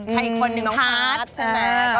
ใครอีกคนนึงพาร์ท